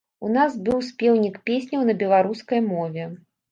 У нас быў спеўнік песняў на беларускай мове.